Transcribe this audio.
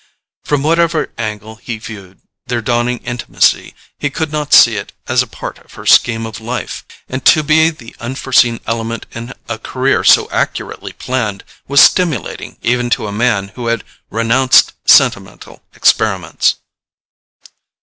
From whatever angle he viewed their dawning intimacy, he could not see it as part of her scheme of life; and to be the unforeseen element in a career so accurately planned was stimulating even to a man who had renounced sentimental experiments.